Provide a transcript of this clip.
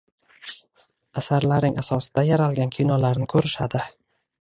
Asarlaring asosida yaralgan kinolarni ko‘rishadi